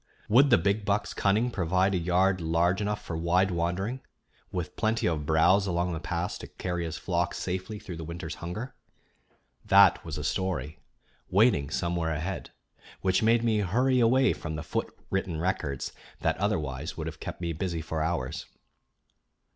Would the big buck's cunning provide a yard large enough for wide wandering, with plenty of browse along the paths to carry his flock safely through the winter's hunger? That was a story, waiting somewhere ahead, which made me hurry away from the foot written records that otherwise would have kept me busy for hours.